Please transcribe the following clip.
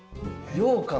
ようかん。